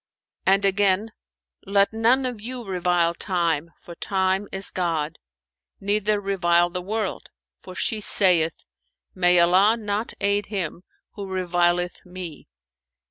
And again, 'Let none of you revile Time, for Time is God; neither revile the world, for she saith, 'May Allah not aid him who revileth me!